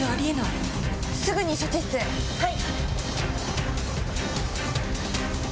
はい。